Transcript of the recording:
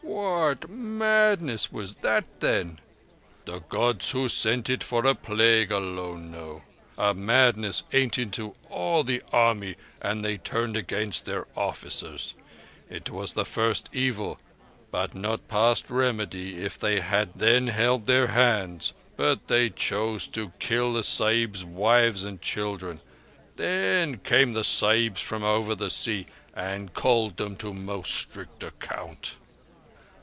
"What madness was that, then?" "The Gods, who sent it for a plague, alone know. A madness ate into all the Army, and they turned against their officers. That was the first evil, but not past remedy if they had then held their hands. But they chose to kill the Sahibs' wives and children. Then came the Sahibs from over the sea and called them to most strict account."